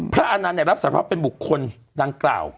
พระอนันทร์เนี่ยรับสรรพเป็นบุคคลดังกล่าว